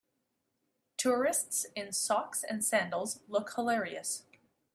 Tourists in socks and sandals look hilarious.